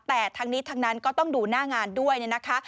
แต่ทั้งนี้ทั้งนั้นก็ต้องดูหน้างานด้วยนะคะ